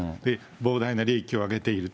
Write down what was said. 膨大な利益を上げている。